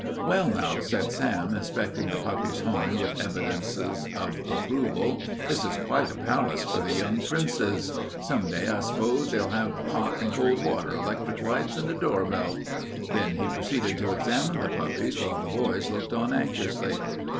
"Well, now," said Sam, inspecting the puppies' home with evidences of approval, "this is quite a palace for the little princes. Some day I s'pose they'll have hot and cold water, electric lights, and a doorbell." Then he proceeded to examine the puppies while the boys looked on anxiously.